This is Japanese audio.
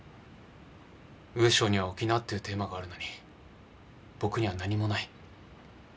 ウエショウには「沖縄」っていうテーマがあるのに僕には何もない。